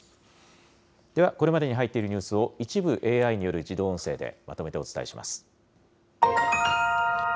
ではこれまでに入っているニュースを、一部ＡＩによる自動音声でまとめてお伝えします。